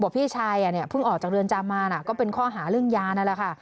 พี่ชายเนี่ยเพิ่งออกจากเรือนจำมาก็เป็นข้อหาเรื่องยานั่นแหละค่ะ